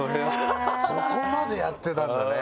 そこまでやってたんだね。